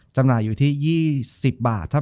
จำหน่ายอยู่ที่๒๐บาท